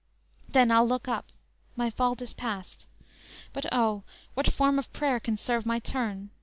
Then I'll look up; My fault is past. But O, what form of prayer Can serve my turn?